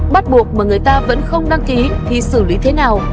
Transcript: bắt buộc mà người ta vẫn không đăng ký thì xử lý thế nào